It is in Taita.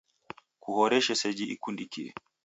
Kuhoreshe seji ikundikie.